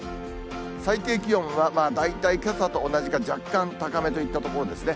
最低気温は大体けさと同じか、若干高めといったところですね。